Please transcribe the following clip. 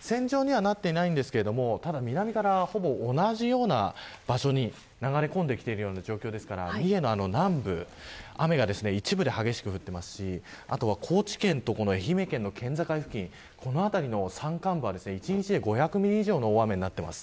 線上にはなっていないですが南から同じような場所に流れ込んできている状況ですから三重の南部、雨が一部で激しく降っていますしあとは高知県と愛媛県の県境付近この辺りの山間部は１日で５００ミリ以上の大雨になっています。